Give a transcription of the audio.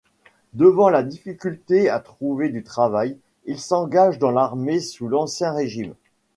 Devant la difficulté à trouver du travail, il s’engage dans l'armée sous l'Ancien Régime.